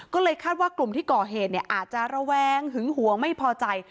ก็เลยคาดว่ากลุ่มที่ก่อเหตุอาจจะระแวงหึงหวงไม่พอใจ